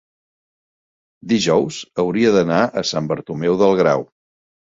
dijous hauria d'anar a Sant Bartomeu del Grau.